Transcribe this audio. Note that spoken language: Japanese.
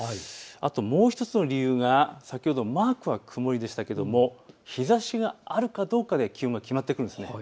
あともう１つの理由が、先ほどマークは曇りでしたけれども日ざしがあるかどうかで気温が決まってくるんです。